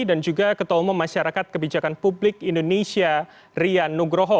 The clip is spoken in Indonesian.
dan juga ketua umum masyarakat kebijakan publik indonesia rian nugroho